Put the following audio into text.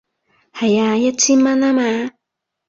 係啊，一千蚊吖嘛